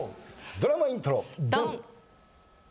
ドラマイントロドン！